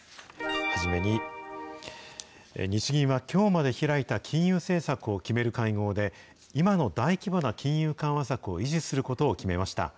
初めに、日銀はきょうまで開いた金融政策を決める会合で、今の大規模な金融緩和策を維持することを決めました。